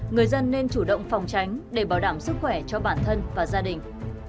người dân nên chủ động phòng tránh để bảo đảm sức khỏe cho bản thân và gia đình